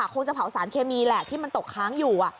คงจะเผาสารเคมีแหละที่มันตกค้างอยู่